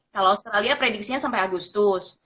kalau australia prediksinya sampai agustus